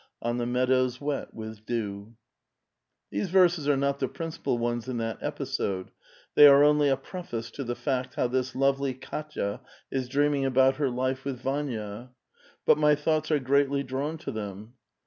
On the meadows wet with dew/ ^ These verses are not the principal ones in that episode : they are only a preface to the fact how this lovely Katya is dream ing about her life with Vanja ; but my thoughts are greatly drawn to them."